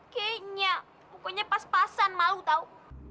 kayaknya pokoknya pas pasan malu tau